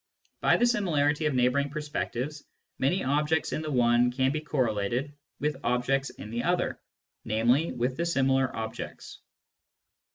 By the similarity of neighbouring perspectives, many objects in the one can be correlated with objects in the other, namely, with the similar objects.